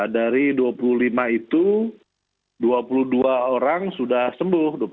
dari dua puluh lima itu dua puluh dua orang sudah sembuh